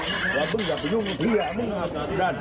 หยุดกันว่าต้องอยากไปยุ่งที่นี่ต้องอยากไปที่นั่น